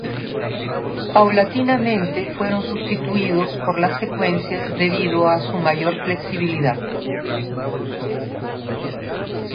Paulatinamente fueron sustituidos por las secuencias debido a su mayor flexibilidad.